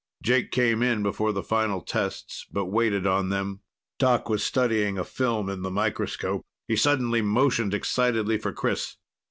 Jake came in before the final tests, but waited on them. Doc was studying a film in the microscope. He suddenly motioned excitedly for Chris.